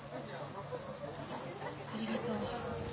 ありがとう。